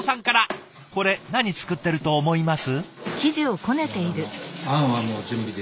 これ何作ってると思います？